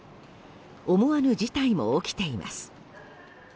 思わぬ事態も起きています。